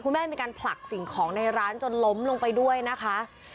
แม่มีการผลักสิ่งของในร้านจนล้มลงไปด้วยนะคะ